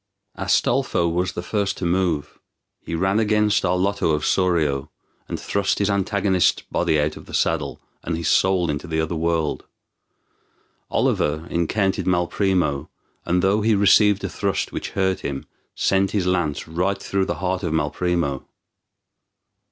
Astolpho was the first to move. He ran against Arlotto of Sorio, and thrust his antagonist's body out of the saddle, and his soul into the other world. Oliver encountered Malprimo, and, though he received a thrust which hurt him, sent his lance right through the heart of Malprimo.